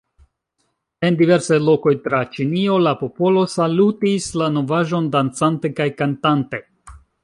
En diversaj lokoj tra Ĉinio la popolo salutis la novaĵon, dancante kaj kantante.